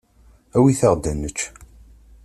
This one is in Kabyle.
Awit-aɣ-d ad nečč.